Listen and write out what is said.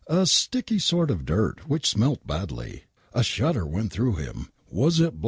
A sticky sort of dirt which smelt badly. A shudder went through him. Was it blood